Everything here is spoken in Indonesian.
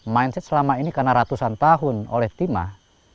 mindset selama ini karena ratusan tahun oleh timah